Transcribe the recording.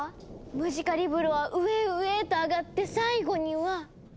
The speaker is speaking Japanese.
ムジカリブロは上へ上へとあがって最後には。